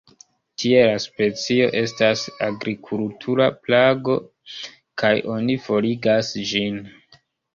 Tie la specio estas agrikultura plago kaj oni forigas ĝin.